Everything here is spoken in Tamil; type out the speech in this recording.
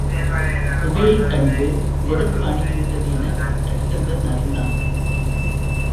புகையைக் கண்டு நெருப்பு அணுகிவிட்டது எனச் சச்சந்தன் அறிந்தான்.